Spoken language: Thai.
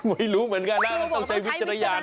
ไม่รู้เหมือนกันน่ะต้องใช้วิจารณาละยานนะ